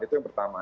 itu yang pertama